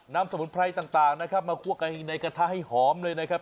สมุนไพรต่างนะครับมาคั่วกันในกระทะให้หอมเลยนะครับ